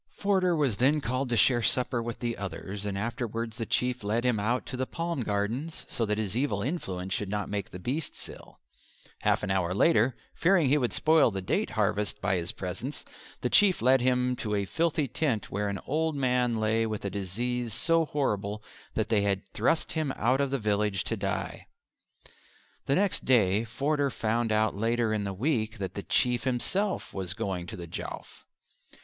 Forder was then called to share supper with the others, and afterwards the Chief led him out to the palm gardens, so that his evil influence should not make the beasts ill; half an hour later, fearing he would spoil the date harvest by his presence, the Chief led him to a filthy tent where an old man lay with a disease so horrible that they had thrust him out of the village to die. The next day Forder found that later in the week the old Chief himself was going to the Jowf.